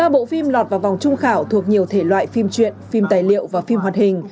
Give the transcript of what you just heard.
một mươi bộ phim lọt vào vòng trung khảo thuộc nhiều thể loại phim truyện phim tài liệu và phim hoạt hình